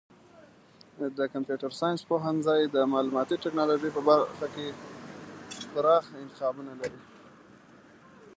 د کمپیوټر ساینس پوهنځی د معلوماتي ټکنالوژۍ په ډګر کې پراخه انتخابونه لري.